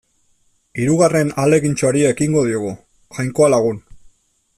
Hirugarren ahalegintxoari ekingo diogu, Jainkoa lagun.